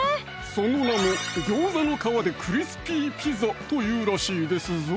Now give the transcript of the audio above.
その名も「餃子の皮でクリスピーピザ」というらしいですぞ